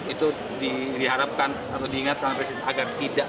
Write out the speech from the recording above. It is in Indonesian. itu diharapkan atau diingatkan oleh presiden agar tidak